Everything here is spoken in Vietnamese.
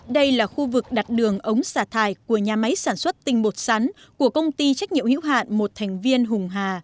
đây là khu vực đặt đường ống xả thải của nhà máy sản xuất tinh bột sắn của công ty trách nhiệm hữu hạn một thành viên hùng hà